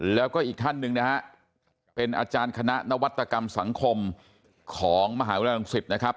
แล้วก็อีกท่านหนึ่งนะฮะเป็นอาจารย์คณะนวัตกรรมสังคมของมหาวิทยาลังศิษย์นะครับ